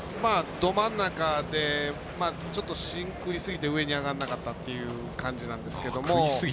ど真ん中でちょっと芯食いすぎて上に上がらなかったという感じなんですけど。